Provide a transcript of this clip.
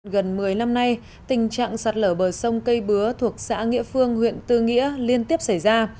gần một mươi năm nay tình trạng sạt lở bờ sông cây bứa thuộc xã nghĩa phương huyện tư nghĩa liên tiếp xảy ra